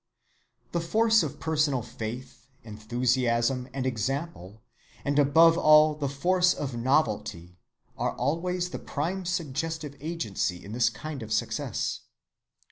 The force of personal faith, enthusiasm, and example, and above all the force of novelty, are always the prime suggestive agency in this kind of success.